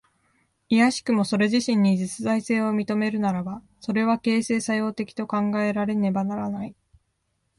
いやしくもそれ自身に実在性を認めるならば、それは形成作用的と考えられねばならない。